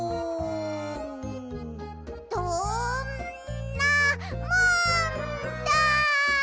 どんなもんだい！